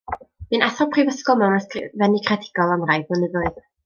Bu'n athro prifysgol mewn ysgrifennu creadigol am rai blynyddoedd.